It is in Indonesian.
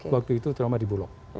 waktu itu terlalu banyak di bulok